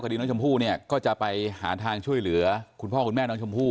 ดีน้องชมพู่เนี่ยก็จะไปหาทางช่วยเหลือคุณพ่อคุณแม่น้องชมพู่